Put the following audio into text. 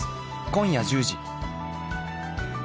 今夜１０時。